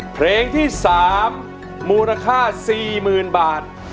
เพลงที่สามมูลค่าสี่หมื่นบาท